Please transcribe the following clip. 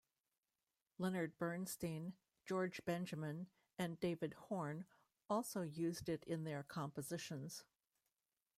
Leonard Bernstein, George Benjamin and David Horne also used it in their compositions.